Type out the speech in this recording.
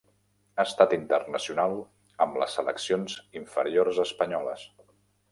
Ha estat internacional amb les seleccions inferiors espanyoles.